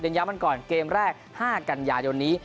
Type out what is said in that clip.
ย้ำกันก่อนเกมแรก๕กันยายนนี้